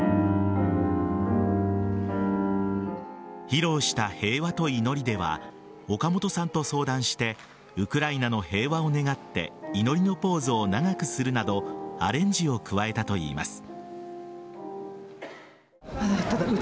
披露した「平和と祈り」では岡本さんと相談してウクライナの平和を願って祈りのポーズを長くするなどアレンジを加えたといいます。